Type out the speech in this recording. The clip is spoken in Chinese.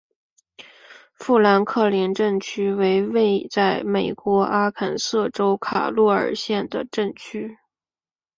富兰克林镇区为位在美国阿肯色州卡洛尔县的镇区。